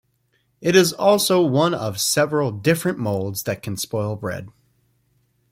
It is also one of several different moulds that can spoil bread.